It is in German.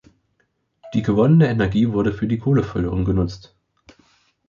Die gewonnene Energie wurde für die Kohleförderung genutzt.